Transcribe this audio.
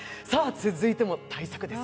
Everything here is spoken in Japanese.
続いても大作です。